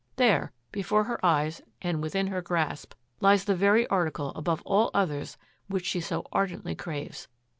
There, before her eyes and within her grasp, lies the very article above all others which she so ardently craves.